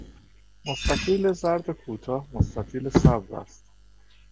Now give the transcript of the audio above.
مستطیل زرد کوتاه مستطیل سبز است.